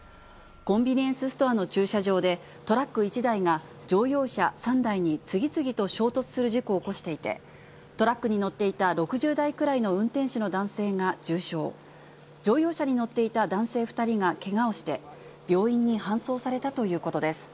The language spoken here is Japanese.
コンビニエンスストアの駐車場で、トラック１台が乗用車３台に次々と衝突する事故を起こしていて、トラックに乗っていた６０代くらいの運転手の男性が重傷、乗用車に乗っていた男性２人がけがをして、病院に搬送されたということです。